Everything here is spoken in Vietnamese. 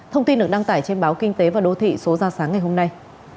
thông tin được đăng tải trên báo kinh tế và đô thị số ra sáng ngày hôm nay